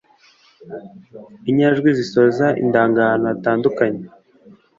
inyajwi zisoza indangahantu hatandukanye